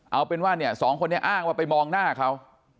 เอาเป็นว่าเนี่ยสองคนนี้อ้างว่าไปมองหน้าเขา